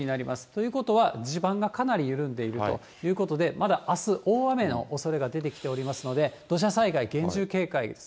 ということは、地盤がかなり緩んでいるということで、まだあす、大雨のおそれが出てきておりますので、土砂災害厳重警戒です。